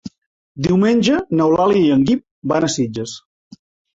Diumenge n'Eulàlia i en Guim van a Sitges.